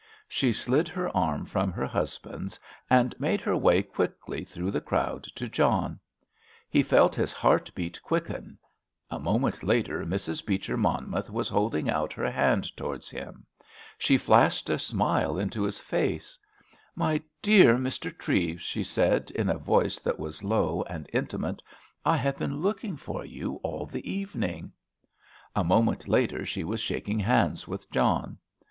She slid her arm from her husband's, and made her way quickly through the crowd to John. He felt his heart beat quicken. A moment later Mrs. Beecher Monmouth was holding out her hand towards him. She flashed a smile into his face. "My dear Mr. Treves," she said, in a voice that was low and intimate, "I have been looking for you all the evening!" A moment later she was shaking hands with John.